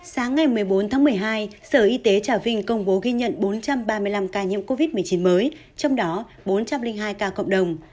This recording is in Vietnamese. sáng ngày một mươi bốn tháng một mươi hai sở y tế trà vinh công bố ghi nhận bốn trăm ba mươi năm ca nhiễm covid một mươi chín mới trong đó bốn trăm linh hai ca cộng đồng